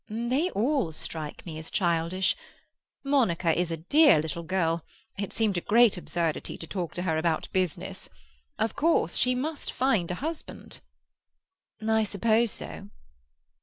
"They all strike me as childish. Monica is a dear little girl; it seemed a great absurdity to talk to her about business. Of course she must find a husband." "I suppose so."